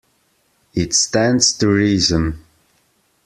It stands to reason.